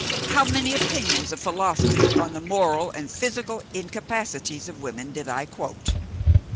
How many opinions of philosophers on the moral and physical incapacities of women did I quote?